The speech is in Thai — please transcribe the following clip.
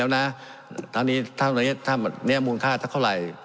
แล้วนะทำอันทีถ้านี้ถ้าเนี้ยนี้มูลค่าซักเท่าไหร่